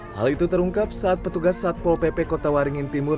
hal itu terungkap saat petugas satpol pp kota waringin timur